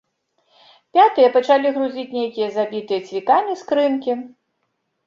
Пятыя пачалі грузіць нейкія забітыя цвікамі скрынкі.